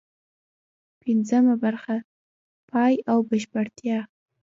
پنځمه برخه: پای او بشپړتیا